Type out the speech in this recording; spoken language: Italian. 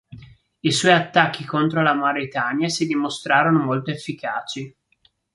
I suoi attacchi contro la Mauritania si dimostrarono molto efficaci.